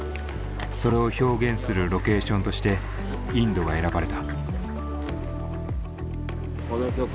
それを表現するロケーションとしてインドが選ばれた。